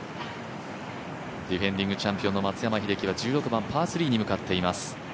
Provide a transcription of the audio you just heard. ディフェンディングチャンピオンの松山英樹は１６番パー３に向かっています。